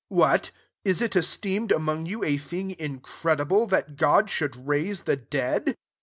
8 What? is it esteemed among you a thing incredible, that God should raise the dead